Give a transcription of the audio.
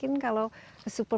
ini sudah cukup